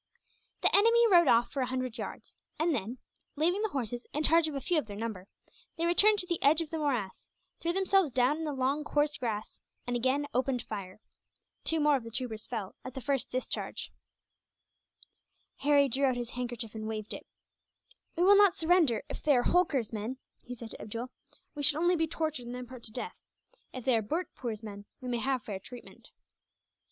The enemy rode off for a hundred yards; and then, leaving the horses in charge of a few of their number, they returned to the edge of the morass, threw themselves down in the long coarse grass, and again opened fire. Two more of the troopers fell, at the first discharge. Harry drew out his handkerchief, and waved it. [Illustration: Harry drew out his handkerchief, and waved it.] "We will not surrender, if they are Holkar's men," he said to Abdool. "We should only be tortured, and then put to death. If they are Bhurtpoor's men, we may have fair treatment."